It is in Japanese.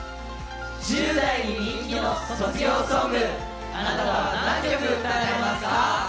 １０代に人気の卒業ソング、あなたは何曲歌えますか？